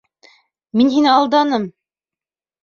Мин һине алданым!